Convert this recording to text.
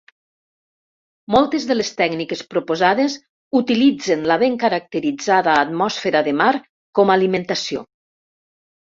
Moltes de les tècniques proposades utilitzen la ben caracteritzada atmosfera de Mart com alimentació.